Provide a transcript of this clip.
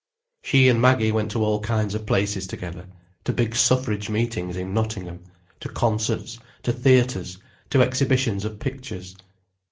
She and Maggie went to all kinds of places together, to big suffrage meetings in Nottingham, to concerts, to theatres, to exhibitions of pictures.